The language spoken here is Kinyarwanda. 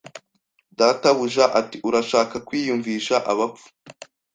Databuja ati Urashaka kwiyumvisha abapfu